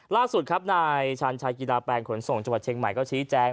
ล่าสุดครับนายชาญชัยกีฬาแปลงขนส่งจังหวัดเชียงใหม่ก็ชี้แจง